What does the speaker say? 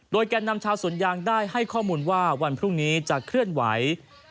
แก่นนำชาวสวนยางได้ให้ข้อมูลว่าวันพรุ่งนี้จะเคลื่อนไหว